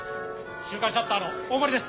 『週刊シャッター』の大森です。